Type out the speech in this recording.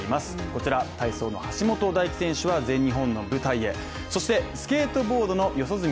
こちら、体操の橋本大輝選手は全日本の舞台へ、そしてスケートボードの四十住